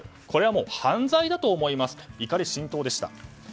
これはもう犯罪だと思いますと怒り心頭でした。